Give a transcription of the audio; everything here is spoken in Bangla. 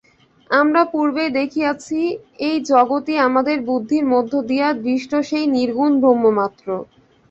আমরা পূর্বেই দেখিয়াছি, এই জগৎই আমাদের বুদ্ধির মধ্য দিয়া দৃষ্ট সেই নির্গুণ ব্রহ্মমাত্র।